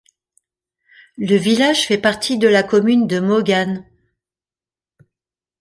Le village fait partie de la commune de Mogán.